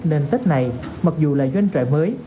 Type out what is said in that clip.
nên tết này mặc dù là doanh trại mới